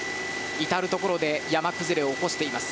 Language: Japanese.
至るところで山崩れを起こしています。